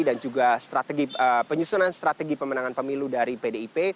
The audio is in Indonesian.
dan juga penyusunan strategi pemenangan pemilu dari pdip